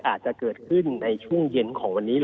อาจจะเกิดขึ้นในช่วงเย็นของวันนี้